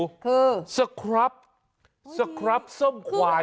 คือสครับสครับส้มควาย